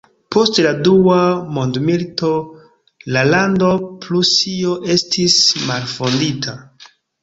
Post la Dua Mondmilito la lando Prusio estis malfondita.